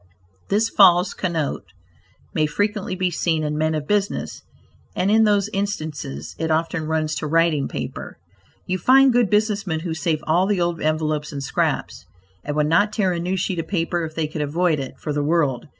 This false connote may frequently be seen in men of business, and in those instances it often runs to writing paper. You find good businessmen who save all the old envelopes and scraps, and would not tear a new sheet of paper, if they could avoid it, for the world.